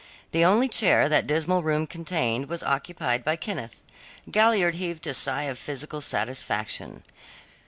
The only chair that dismal room contained was occupied by Kenneth. Galliard heaved a sigh of physical satisfaction.